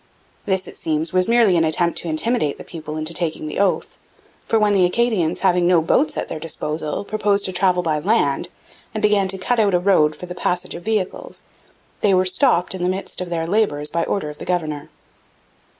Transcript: This, it seems, was merely an attempt to intimidate the people into taking the oath, for when the Acadians, having no boats at their disposal, proposed to travel by land, and began to cut out a road for the passage of vehicles, they were stopped in the midst of their labours by order of the governor.